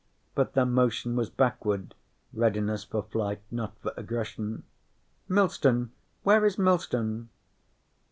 But their motion was backward, readiness for flight, not for aggression. "Millstone? Where is Millstone?"